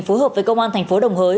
phối hợp với công an thành phố đồng hới